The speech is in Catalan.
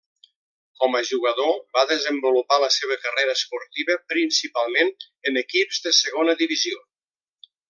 Com a jugador va desenvolupar la seva carrera esportiva principalment en equips de Segona Divisió.